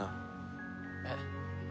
えっ？